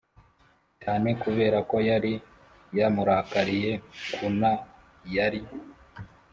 cyane kubera ko yari yamurakariye kuna yari